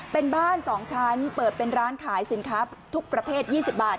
เป็นบ้าน๒ชั้นเปิดเป็นร้านขายสินค้าทุกประเภท๒๐บาท